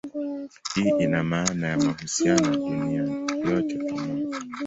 Hii ina maana ya mahusiano ya dunia yote pamoja.